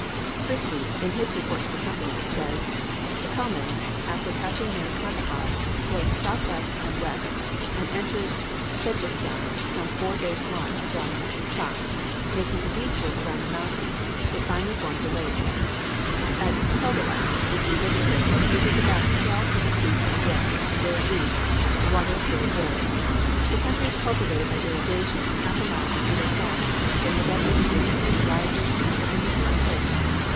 Christie in his report to the Company says: "The Helmend, after passing near Kandahar, flows south west and west, and enters Sedjestan some four days march from Douchak; making a détour around the mountains, it finally forms a lake. At Peldalek, which we visited, it is about 1200 feet in width, and very deep; the water is very good. The country is cultivated by irrigation for half a mile on either side; then the desert begins, and rises in perpendicular cliffs.